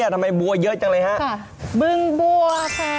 ทำไมบัวเยอะจังเลยฮะบึงบัวค่ะ